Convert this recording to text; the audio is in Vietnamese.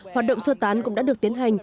hoạt động sơ tán cũng đã được tiến hành